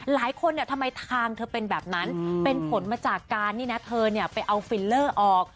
หลายคนทำไมทางเธอเป็นแบบนั้นเป็นผลมาจากการนี่นะเธอไปเอาฟิลเลอร์ออก